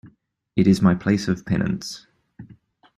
It is my place of penance.